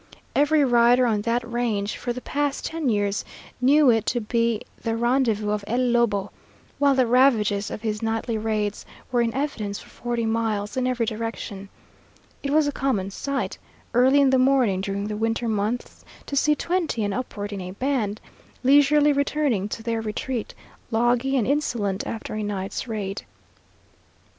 Every rider on that range for the past ten years knew it to be the rendezvous of El Lobo, while the ravages of his nightly raids were in evidence for forty miles in every direction. It was a common sight, early in the morning during the winter months, to see twenty and upward in a band, leisurely returning to their retreat, logy and insolent after a night's raid.